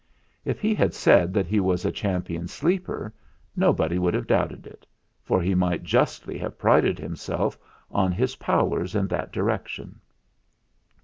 If he had said that he was a champion sleeper nobody would have doubted it, for he might justly have prided himself on his powers in THE ZAGABOG'S STORY 143 that direction.